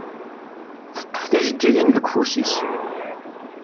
Teṭṭef tijeǧǧigin deg ufus-is.